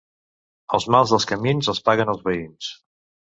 Els mals dels camins els paguen els veïns.